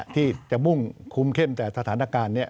ที่จะมุ่งคุ้มเข้มแต่สถานการณ์นี้